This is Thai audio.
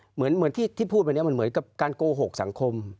เหมือนที่พูดไปเนี่ยมันเหมือนกับการโกหกสังคม